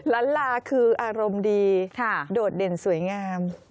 ล้านลาคืออารมณ์ดีโดดเด่นสวยงาม